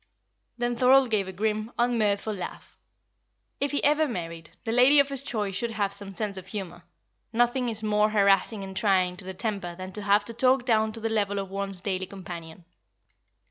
Then Thorold gave a grim, unmirthful laugh. If he ever married, the lady of his choice should have some sense of humour; nothing is more harassing and trying to the temper than to have to talk down to the level of one's daily companion.